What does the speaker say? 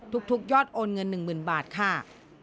ทุกยอดโอนเงิน๑๐๐๐บาทค่ะ